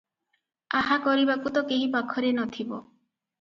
ଆହା କରିବାକୁ ତ କେହି ପାଖରେ ନଥିବ ।